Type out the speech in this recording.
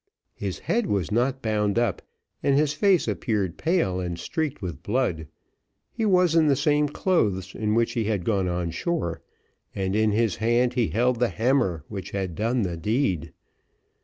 His head was not bound up, and his face appeared pale and streaked with blood. He was in the same clothes in which he had gone on shore, and in his hand he held the hammer which had done the deed.